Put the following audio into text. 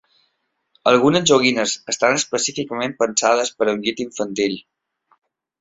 Algunes joguines estan específicament pensades per a un llit infantil.